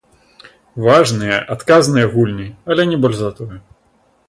Важныя, адказныя гульні, але не больш за тое.